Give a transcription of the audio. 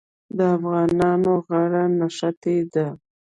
د افغانانو غاړه نښتې ده.